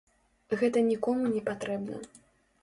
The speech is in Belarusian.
Гэта нікому не патрэбна.